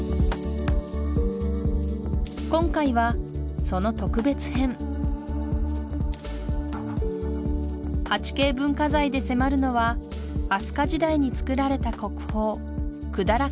今回はその特別編８Ｋ文化財で迫るのは飛鳥時代に作られた国宝百済観音。